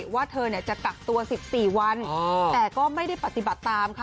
ว่าเธอจะกักตัว๑๔วันแต่ก็ไม่ได้ปฏิบัติตามค่ะ